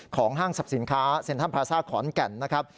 ของห้างศัพท์สินค้าเซ็นทรัมพลาซ่าขอนแก่มนะครับ